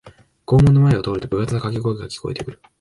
校門の前を通ると部活のかけ声が聞こえてくる